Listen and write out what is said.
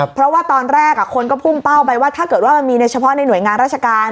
เพราะว่าตอนแรกคนก็พุ่งเป้าไปว่าถ้าเกิดว่ามันมีในเฉพาะในหน่วยงานราชการ